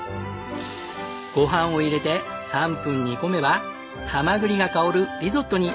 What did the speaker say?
ご飯を入れて３分煮込めばハマグリが香るリゾットに！